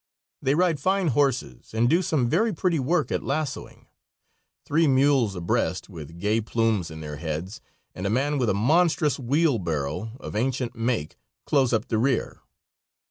They ride fine horses, and do some very pretty work at lassoing. Three mules abreast, with gay plumes in their heads, and a man with a monstrous wheelbarrow of ancient make, close up the rear.